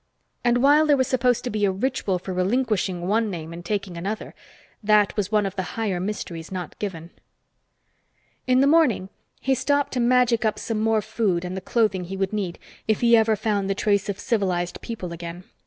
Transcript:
And while there was supposed to be a ritual for relinquishing one name and taking another, that was one of the higher mysteries not given. In the morning, he stopped to magic up some more food and the clothing he would need if he ever found the trace of civilized people again.